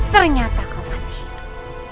ternyata kau masih hidup